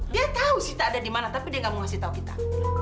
dia tahu sita ada dimana tapi dia gak mau ngasih tahu kita